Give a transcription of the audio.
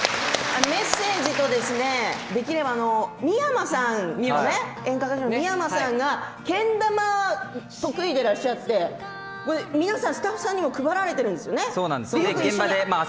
メッセージとそれから演歌歌手の三山さんがけん玉が得意でいらっしゃってみんなに配られてるんですよね。